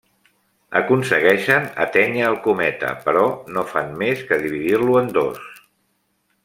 Aconsegueixen atènyer el cometa però no fan més que dividir-lo en dos.